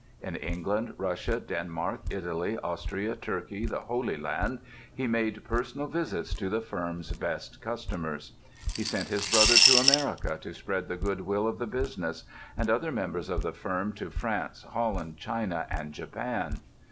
In England, Russia, Denmark, Italy, Austria, Turkey, the Holy Land, he made personal visits to the firm's best customers. He sent his brother to America to spread the goodwill of the business; and other members of the firm to France, Holland, China, and Japan.